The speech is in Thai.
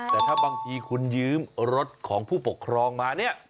แต่ถ้าบางทีคุณยืมรถของผู้ปกครองมาเนี่ย